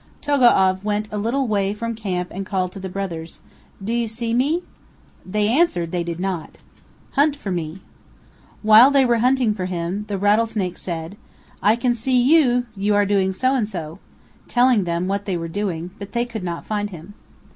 Togo'av went a little way from camp and called to the brothers: "Do you see me!" They answered they did not. "Hunt for me." While they were hunting for him, the Rattlesnake said: "I can see you; you are doing so and so," telling them what they were doing; but they could not find him.